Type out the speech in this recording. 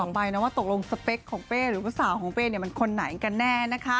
ไปนะว่าตกลงสเปคของเป้หรือว่าสาวของเป้มันคนไหนกันแน่นะคะ